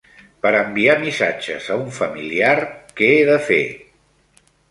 Per enviar missatges a un familiar, què he de fer?